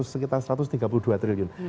sekitar satu ratus tiga puluh dua triliun